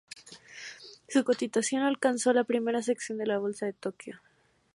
Su cotización alcanzó la primera sección de la Bolsa de Tokio.